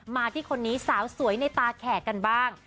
มาที่คนนี้สาวสวยในตาแขกกันบ้าง